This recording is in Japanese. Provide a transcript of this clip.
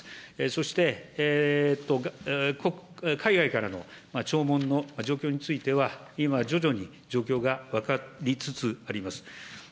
そして海外からの弔問の状況については、今、徐々に状況が分かりつつあります。